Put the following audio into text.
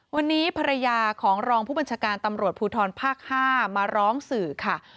วันนี้ภรรยาของรองผู้บัญชาการตำรวจภูทรภาค๕มาร้องสื่อค่ะ